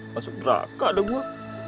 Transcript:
masuk geraka dah gua